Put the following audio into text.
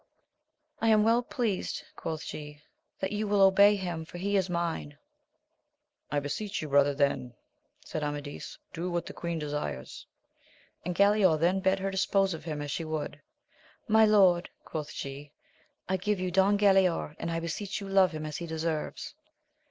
I am well pleased, quoth she, that you will obey him, for he is mine. I beseech you, brother, then, said Amadis, do what the queen desires ; and Galaor then bade her dispose of him as she would. My lord, quoth she, I give you Don Galaor, and I beseech you love him as he deserves.